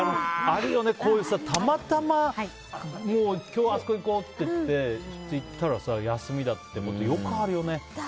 あるよね、こういうたまたま、今日あそこ行こうって行ったら、休みだったってことよくあるよね。